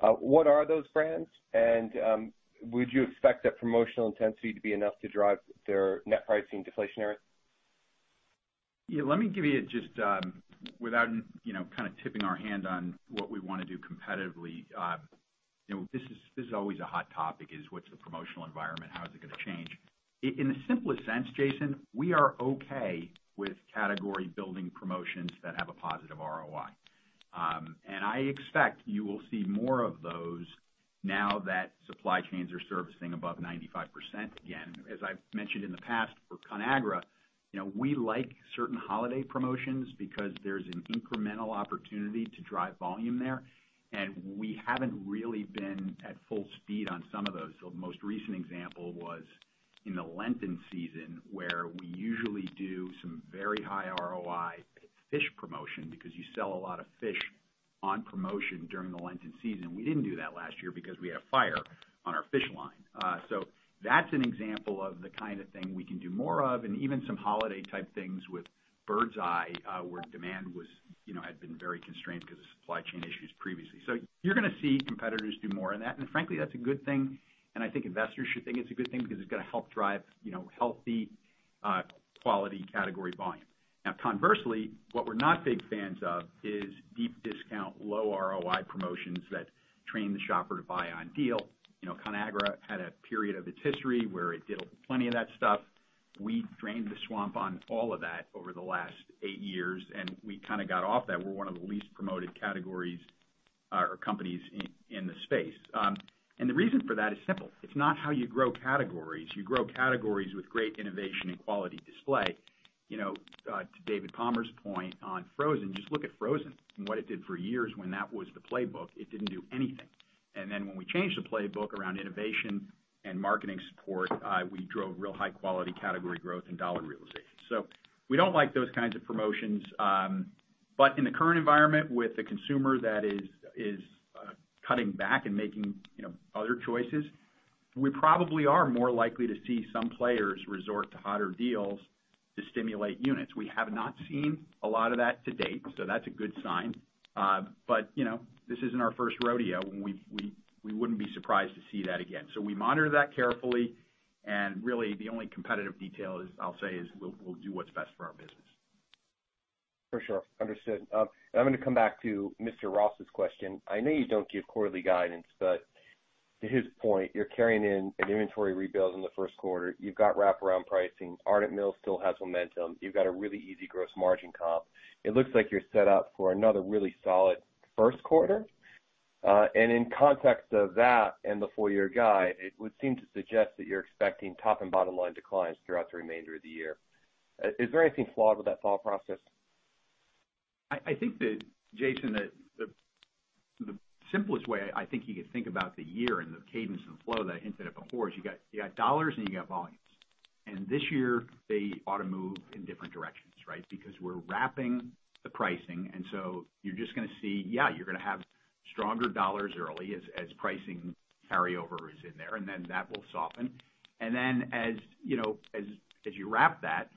What are those brands? Would you expect that promotional intensity to be enough to drive their net pricing deflationary? Yeah, let me give you just, without, you know, kind of tipping our hand on what we wanna do competitively. You know, this is always a hot topic. What's the promotional environment? How is it gonna change? In the simplest sense, Jason, we are okay with category building promotions that have a positive ROI. I expect you will see more of those now that supply chains are servicing above 95% again. As I've mentioned in the past, for Conagra, you know, we like certain holiday promotions because there's an incremental opportunity to drive volume there, and we haven't really been at full speed on some of those. The most recent example was in the Lenten season, where we usually do some very high ROI fish promotion because you sell a lot of fish on promotion during the Lenten season. We didn't do that last year because we had a fire on our fish line. That's an example of the kind of thing we can do more of, and even some holiday-type things with Birds Eye, where demand was, you know, had been very constrained because of supply chain issues previously. You're gonna see competitors do more in that, and frankly, that's a good thing, and I think investors should think it's a good thing because it's gonna help drive, you know, healthy, quality category volume. Conversely, what we're not big fans of is deep discount, low ROI promotions that train the shopper to buy on deal. You know, Conagra had a period of its history where it did plenty of that stuff. We drained the swamp on all of that over the last eight years, and we kind of got off that. We're one of the least promoted categories, or companies in the space. The reason for that is simple: it's not how you grow categories. You grow categories with great innovation and quality display. You know, to David Palmer's point on frozen, just look at frozen and what it did for years when that was the playbook. It didn't do anything. When we changed the playbook around innovation and marketing support, we drove real high-quality category growth and dollar realization. We don't like those kinds of promotions, but in the current environment, with the consumer that is, cutting back and making, you know, other choices, we probably are more likely to see some players resort to hotter deals to stimulate units. We have not seen a lot of that to date, That's a good sign. You know, this isn't our first rodeo, and we wouldn't be surprised to see that again. We monitor that carefully, and really, the only competitive detail is, I'll say, is we'll do what's best for our business. For sure. Understood. I'm gonna come back to Mr. Ross's question. I know you don't give quarterly guidance, but to his point, you're carrying in an inventory rebuild in the first quarter. You've got wraparound pricing. Ardent Mills still has momentum. You've got a really easy gross margin comp. In context of that and the full year guide, it would seem to suggest that you're expecting top and bottom-line declines throughout the remainder of the year. Is there anything flawed with that thought process? I think that, Jason, that the simplest way I think you could think about the year and the cadence and flow that I hinted at before is you got dollars and you got volumes. This year, they ought to move in different directions, right? Because we're wrapping the pricing, you're just gonna see, yeah, you're gonna have stronger dollars early as pricing carryover is in there, and then that will soften. As, you know, as you wrap that,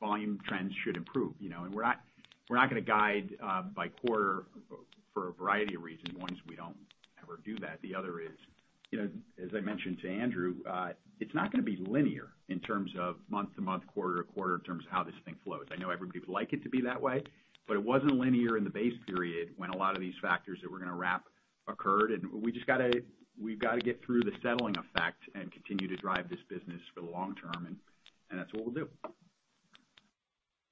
volume trends should improve, you know. We're not, we're not gonna guide by quarter for a variety of reasons. One is we don't ever do that. The other is, you know, as I mentioned to Andrew, it's not gonna be linear in terms of month to month, quarter to quarter, in terms of how this thing flows. I know people like it to be that way. It wasn't linear in the base period when a lot of these factors that we're gonna wrap occurred, and we've gotta get through the settling effect and continue to drive this business for the long term, and that's what we'll do.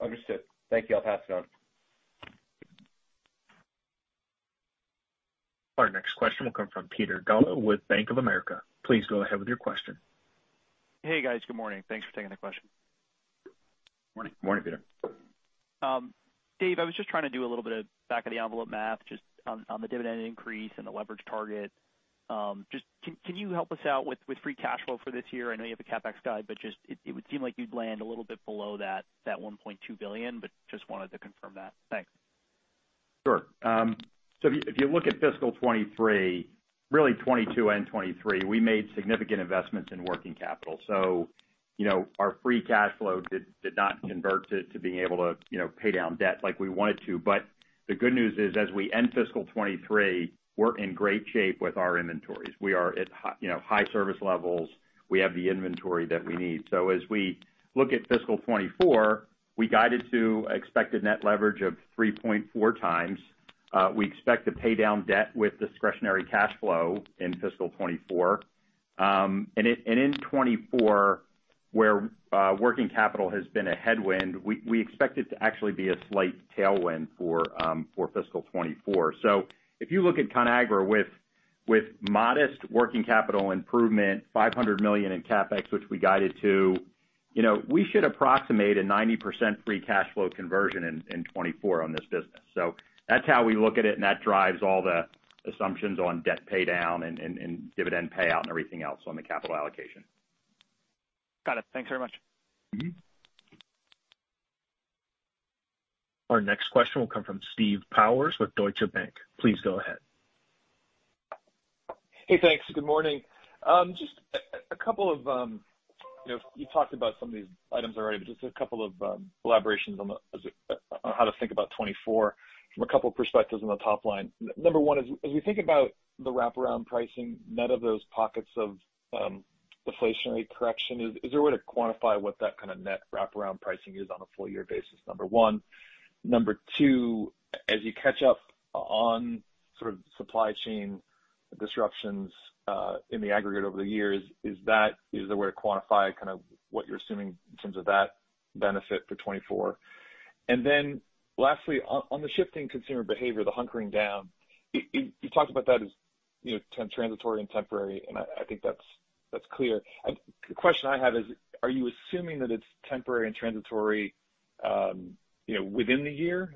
Understood. Thank you. I'll pass it on. Our next question will come from Peter Galbo with Bank of America. Please go ahead with your question. Hey, guys. Good morning. Thanks for taking the question. Morning. Morning, Peter. Dave, I was just trying to do a little bit of back of the envelope math, just on the dividend increase and the leverage target. Just can you help us out with free cash flow for this year? I know you have a CapEx guide, but just it would seem like you'd land a little bit below that $1.2 billion but just wanted to confirm that. Thanks. Sure. If you look at fiscal 2023, really 2022 and 2023, we made significant investments in working capital. You know, our free cash flow did not convert to being able to, you know, pay down debt like we wanted to. The good news is, as we end fiscal 2023, we're in great shape with our inventories. We are at, you know, high service levels. We have the inventory that we need. As we look at fiscal 2024, we guided to expected net leverage of 3.4x. We expect to pay down debt with discretionary cash flow in fiscal 2024. And in 2024, where working capital has been a headwind, we expect it to actually be a slight tailwind for fiscal 2024. If you look at Conagra with modest working capital improvement, $500 million in CapEx, which we guided to, you know, we should approximate a 90% free cash flow conversion in 2024 on this business. That's how we look at it, and it drives all the assumptions on debt paydown and dividend payout and everything else on the capital allocation. Got it. Thanks very much. Our next question will come from Steve Powers with Deutsche Bank. Please go ahead. Hey, thanks. Good morning. Just a couple of, you know, you talked about some of these items already, but just a couple of elaborations on how to think about 2024 from a couple of perspectives on the top line. Number one is, as you think about the wraparound pricing, net of those pockets of deflationary correction, is there a way to quantify what that kind of net wraparound pricing is on a full year basis? Number one. Number two, as you catch up on sort of supply chain disruptions, in the aggregate over the years, is there a way to quantify kind of what you're assuming in terms of that benefit for 2024? Lastly, on the shifting consumer behavior, the hunkering down, you talked about that as, you know, transitory and temporary, and I think that's clear. The question I have is: Are you assuming that it's temporary and transitory, you know, within the year?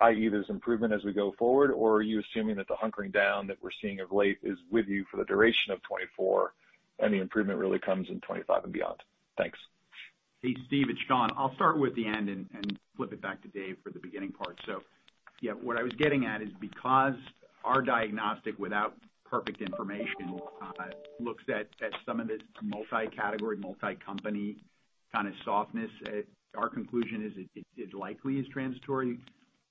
i.e., there's improvement as we go forward, or are you assuming that the hunkering down that we're seeing of late is with you for the duration of 2024, and the improvement really comes in 2025 and beyond? Thanks. Hey, Steve, it's Sean. I'll start with the end and flip it back to Dave for the beginning part. Yeah, what I was getting at is because our diagnostic, without perfect information, looks at some of this multi-category, multi-company kind of softness, our conclusion is, it likely is transitory.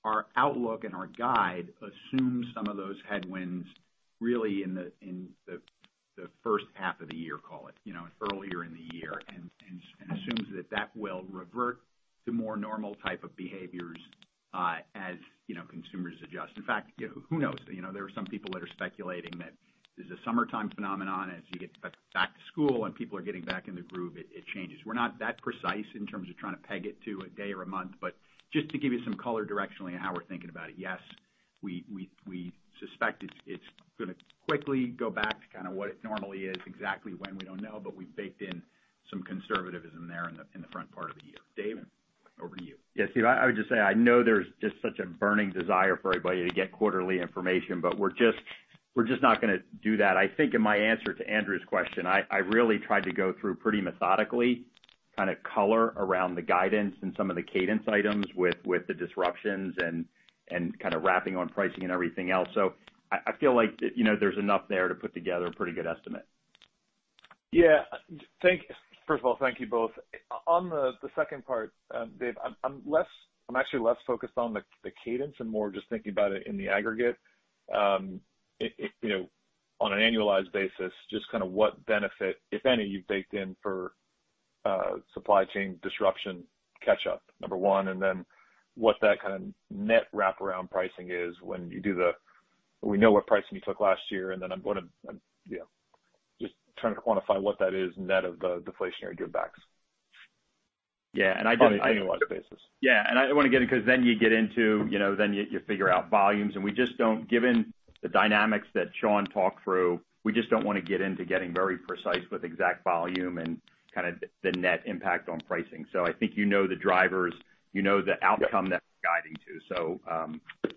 Our outlook and our guide assumes some of those headwinds really in the first half of the year, call it, you know, earlier in the year, and assumes that that will revert to more normal type of behaviors, as, you know, consumers adjust. In fact, you know, who knows? You know, there are some people that are speculating that there's a summertime phenomenon as you get back to school and people are getting back in the groove, it changes. We're not that precise in terms of trying to peg it to a day or a month, but just to give you some color directionally on how we're thinking about it, yes, we suspect it's gonna quickly go back to kind of what it normally is. Exactly when, we don't know, but we've baked in some conservatism there in the front part of the year. Dave, over to you. Yeah, Steve, I would just say, I know there's just such a burning desire for everybody to get quarterly information. We're just not gonna do that. I think in my answer to Andrew's question, I really tried to go through pretty methodically, kind of color around the guidance and some of the cadence items with the disruptions and kind of wrapping on pricing and everything else. I feel like, you know, there's enough there to put together a pretty good estimate. First of all, thank you both. On the second part, Dave, I'm actually less focused on the cadence and more just thinking about it in the aggregate. It, you know, on an annualized basis, just kind of what benefit, if any, you've baked in for supply chain disruption catch-up, number one, and then what that kind of net wraparound pricing is when we know what pricing you took last year, and then I'm gonna, just trying to quantify what that is net of the deflationary givebacks. Yeah, and I did- On an annualized basis. I don't want to get into, because then you get into, you know, then you figure out volumes, and we just don't want to get into getting very precise with exact volume and kind of the net impact on pricing. I think you know the drivers, you know the outcome. Yep. that we're guiding to,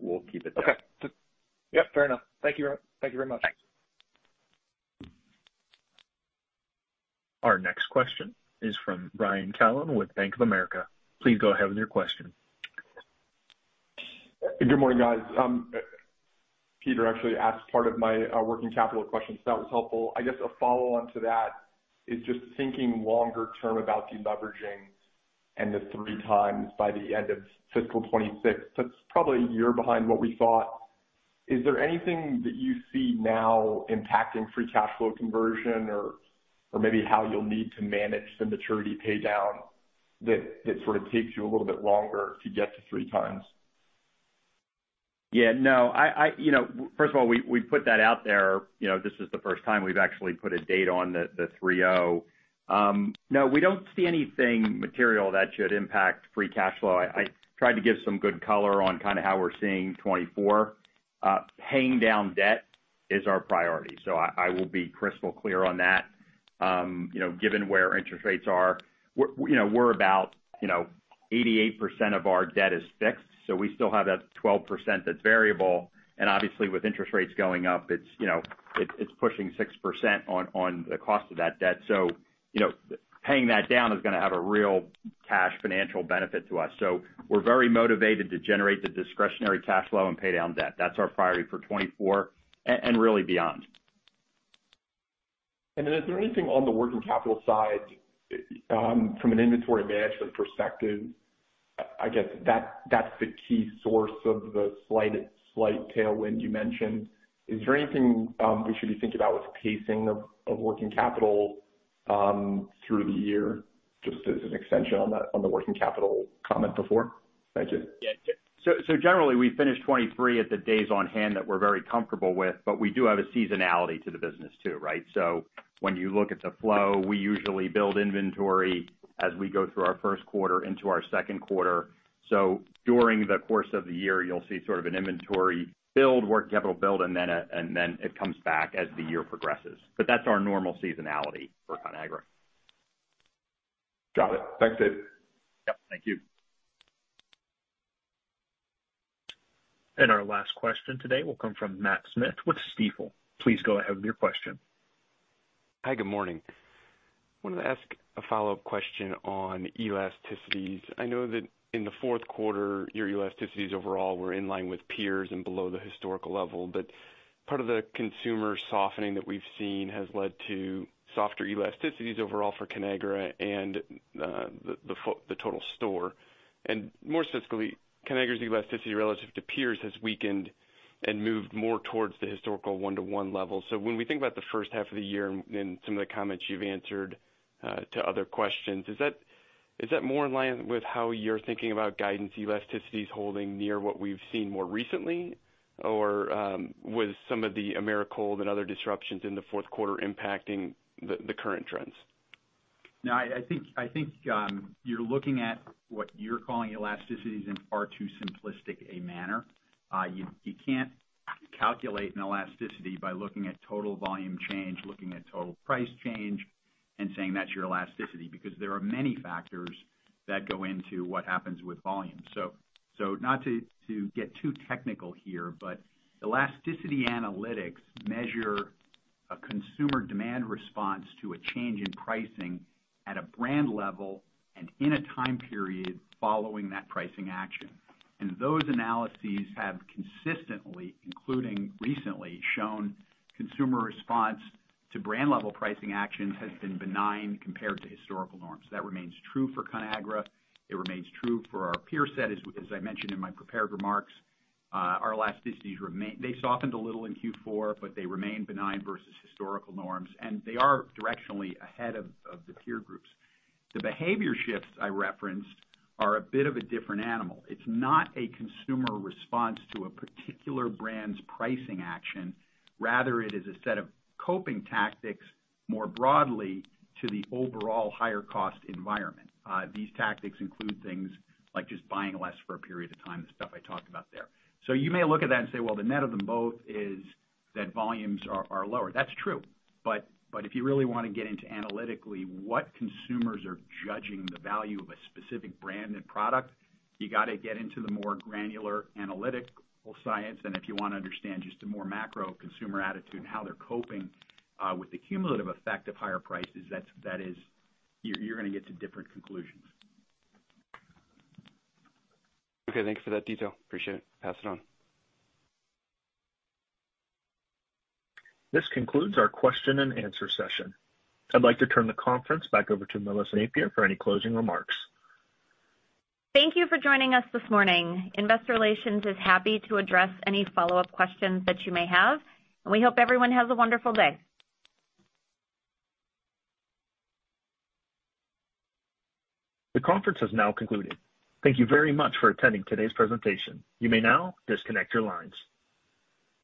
we'll keep it there. Okay. Yep, fair enough. Thank you very much. Thanks. Our next question is from Brian Callen with Bank of America. Please go ahead with your question. Good morning, guys. Peter actually asked part of my working capital question, so that was helpful. I guess a follow-on to that is just thinking longer term about deleveraging and the 3x by the end of fiscal 2026. That's probably a year behind what we thought. Is there anything that you see now impacting free cash flow conversion or maybe how you'll need to manage the maturity paydown that sort of takes you a little bit longer to get to 3x? No, I, you know, first of all, we put that out there, you know, this is the first time we've actually put a date on the three-oh. No, we don't see anything material that should impact free cash flow. I tried to give some good color on kind of how we're seeing 2024. Paying down debt is our priority, so I will be crystal clear on that. You know, given where interest rates are, we're about 88% of our debt is fixed, so we still have that 12% that's variable, and obviously with interest rates going up, it's pushing 6% on the cost of that debt. You know, paying that down is gonna have a real cash financial benefit to us. We're very motivated to generate the discretionary cash flow and pay down debt. That's our priority for 2024 and really beyond. Is there anything on the working capital side, from an inventory management perspective? I guess that's the key source of the slight tailwind you mentioned. Is there anything we should be thinking about with pacing of working capital through the year, just as an extension on the working capital comment before? Thank you. Generally, we finished 2023 at the days on hand that we're very comfortable with. We do have a seasonality to the business, too, right? When you look at the flow, we usually build inventory as we go through our first quarter into our second quarter. During the course of the year, you'll see sort of an inventory build, working capital build, and then it comes back as the year progresses. That's our normal seasonality for Conagra. Got it. Thanks, Dave. Yep, thank you. Our last question today will come from Matt Smith with Stifel. Please go ahead with your question. Hi, good morning. Wanted to ask a follow-up question on elasticities. I know that in the fourth quarter, your elasticities overall were in line with peers and below the historical level. Part of the consumer softening that we've seen has led to softer elasticities overall for Conagra and the total store. More specifically, Conagra's elasticity relative to peers has weakened and moved more towards the historical one-to-one level. When we think about the first half of the year and some of the comments you've answered to other questions, is that more in line with how you're thinking about guidance elasticities holding near what we've seen more recently? Was some of the Americold and other disruptions in the fourth quarter impacting the current trends? No, I think you're looking at what you're calling elasticities in far too simplistic a manner. You can't calculate an elasticity by looking at total volume change, looking at total price change, and saying that's your elasticity, because there are many factors that go into what happens with volume. Not to get too technical here, but elasticity analytics measure a consumer demand response to a change in pricing at a brand level and in a time period following that pricing action. Those analyses have consistently, including recently, shown consumer response to brand level pricing actions has been benign compared to historical norms. That remains true for Conagra. It remains true for our peer set, as I mentioned in my prepared remarks. Our elasticities remain they softened a little in Q4, they remain benign versus historical norms, they are directionally ahead of the peer groups. The behavior shifts I referenced are a bit of a different animal. It's not a consumer response to a particular brand's pricing action, rather it is a set of coping tactics more broadly to the overall higher cost environment. These tactics include things like just buying less for a period of time, the stuff I talked about there. You may look at that and say, "Well, the net of them both is that volumes are lower." That's true, if you really wanna get into analytically what consumers are judging the value of a specific brand and product, you gotta get into the more granular analytical science. If you wanna understand just the more macro consumer attitude and how they're coping with the cumulative effect of higher prices, that is. You're gonna get to different conclusions. Thank you for that detail. Appreciate it. Pass it on. This concludes our question and answer session. I'd like to turn the conference back over to Melissa Napier for any closing remarks. Thank you for joining us this morning. Investor Relations is happy to address any follow-up questions that you may have. We hope everyone has a wonderful day. The conference has now concluded. Thank you very much for attending today's presentation. You may now disconnect your lines.